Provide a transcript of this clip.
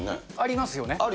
ありますよね。